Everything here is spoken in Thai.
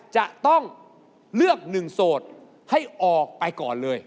จะต้องเลือกหนึ่งโสดให้ออกไปก่อนเลย